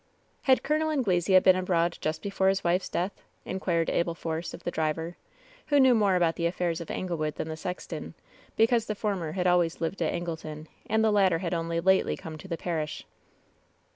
"Had Col. Anglesea been abroad just before his wife's death ?" inquired Abel Force of the driver, who knew more about the affairs of Anglewood than the sexton, because the former had always lived at Angleton, and the latter had only lately come to the parish.